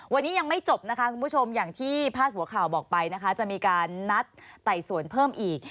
วันนี้ยังไม่จบนะคะคุณผู้ชมอย่างที่พาดหัวข่าวบอกไปนะคะจะมีการนัดไต่สวนเพิ่มอีก